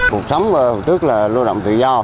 cuộc sống trước là lưu động tự do